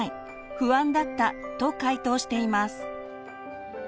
不安だったと回答しています。